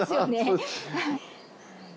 そうですね